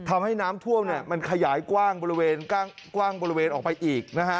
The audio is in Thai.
ทำให้น้ำทั่วมันขยายกว้างบริเวณออกไปอีกนะฮะ